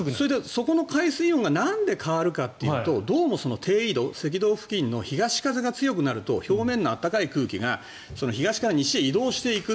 その辺の海水温がなんで変わるかというとどうも低緯度赤道付近の東風が強くなると表面の暖かい空気が東から西へ移動していく。